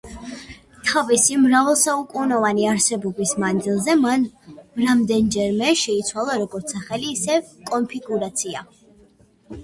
თავისი მრავალსაუკუნოვანი არსებობის მანძილზე მან რამდენიმეჯერ შეიცვალა როგორც სახელი, ისე კონფიგურაცია.